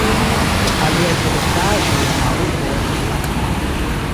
Aliaj produktaĵoj en la urbo estas plastoj.